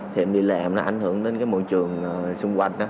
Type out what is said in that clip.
thì em đi làm nó ảnh hưởng đến cái môi trường xung quanh đó